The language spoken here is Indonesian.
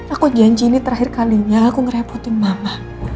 aku janji ini terakhir kalinya aku ngerepotin mama